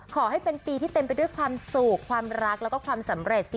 ขอให้เป็นปีที่เต็มไปด้วยความสุขความรักแล้วก็ความสำเร็จ